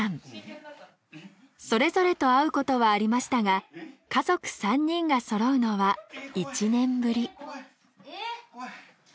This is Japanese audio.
それぞれと会うことはありましたが家族３人がそろうのは１年ぶり。